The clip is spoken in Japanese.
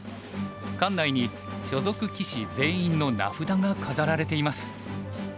館内に所属棋士全員の名札が飾られています。